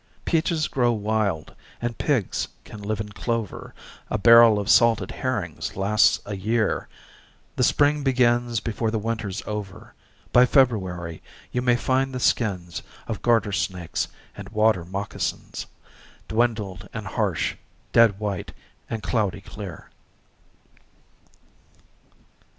Peaches grow wild, and pigs can live in clover; A barrel of salted herrings lasts a year; The spring begins before the winter's over. By February you may find the skins Of garter snakes and water moccasins Dwindled and harsh, dead white and cloudy clear.